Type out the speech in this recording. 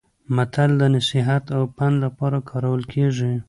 متل د نصيحت او پند لپاره کارول کیږي